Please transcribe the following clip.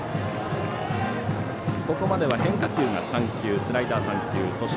ここまでは変化球が３球スライダー３球。